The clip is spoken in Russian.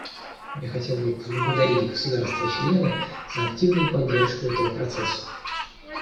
Я хотел бы поблагодарить государства-члены за активную поддержку этого процесса.